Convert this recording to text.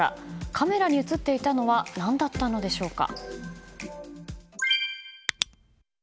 カメラに映っていたのは何だったのでしょうか。